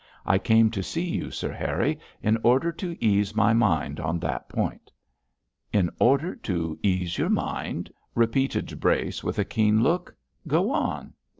I came to see you, Sir Harry, in order to ease my mind on that point.' 'In order to ease your mind!' repeated Brace, with a keen look. 'Go on.'